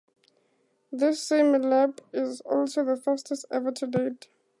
This same lap is also the fastest-ever to date.